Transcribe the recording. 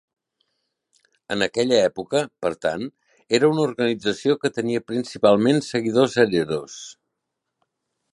En aquella època, per tant, era una organització que tenia principalment seguidors hereros.